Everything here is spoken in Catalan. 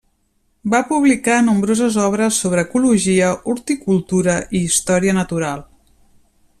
Va publicar nombroses obres sobre ecologia, horticultura i història natural.